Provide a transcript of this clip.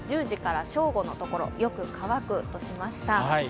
１０時から正午のところよく乾くにしました。